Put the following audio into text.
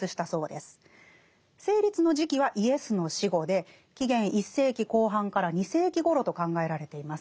成立の時期はイエスの死後で紀元１世紀後半から２世紀ごろと考えられています。